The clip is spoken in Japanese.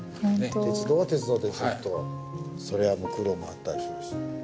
鉄道は鉄道でずっとそれは苦労もあったでしょうし。